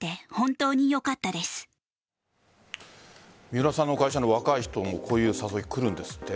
三浦さんの会社の若い人もこういう誘い、来るんですって？